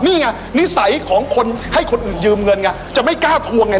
นี่ไงนิสัยของคนให้คนอื่นยืมเงินไงจะไม่กล้าทวงไง